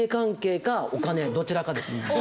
どちらかです。